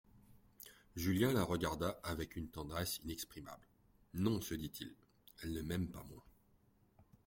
Julien la regarda avec une tendresse inexprimable : Non, se dit-il, elle ne m'aime pas moins.